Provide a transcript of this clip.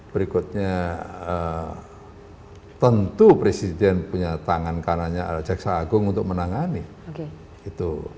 berikutnya tentu presiden punya tangan kanannya jaksa agung untuk menangani itu